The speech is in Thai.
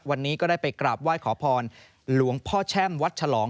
วันนี้ก็ได้ไปกราบไหว้ขอพรหลวงพ่อแช่มวัดฉลอง